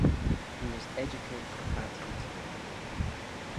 He was educated at Eton.